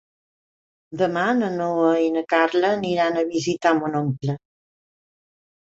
Demà na Noa i na Carla aniran a visitar mon oncle.